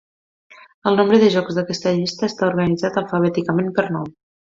El nombre de jocs d'aquesta llista està organitzat alfabèticament per nom.